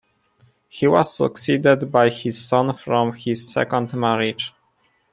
He was succeeded by his son from his second marriage.